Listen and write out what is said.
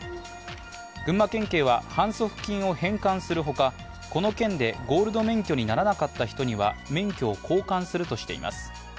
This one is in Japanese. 群馬県警は反則金を返還するほか、この件でゴールド免許にならなかった人には免許を交換するとしています。